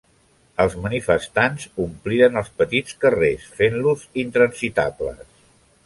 Els manifestants ompliren els petits carrers, fent-los intransitables.